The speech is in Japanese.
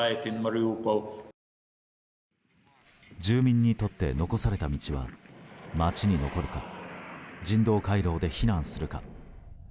住民にとって残された道は街に残るか人道回廊で避難するか。